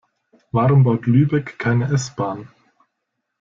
Warum baut Lübeck keine S-Bahn?